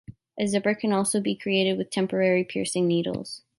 A zipper can also be created with temporary piercing needles.